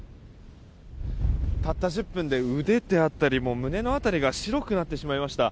たった１０分で腕であったり胸の辺りが白くなってしまいました。